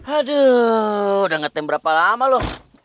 aduh udah ngetem berapa lama loh